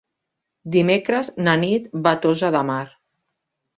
Dimecres na Nit va a Tossa de Mar.